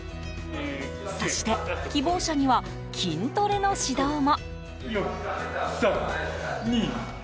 そして希望者には筋トレの指導も。